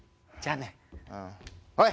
じゃあね。